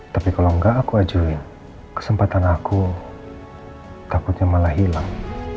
tapi kalau enggak aku aja kesempatan aku takutnya malah hilang